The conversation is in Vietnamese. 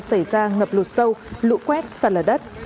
xảy ra ngập lụt sâu lũ quét sạt lở đất